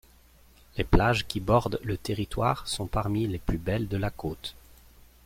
Les plages qui bordent le territoire sont parmi les plus belles de la côte.